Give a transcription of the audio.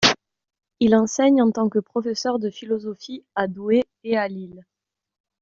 Il enseigne en tant que professeur de philosophie à Douai et à Lille.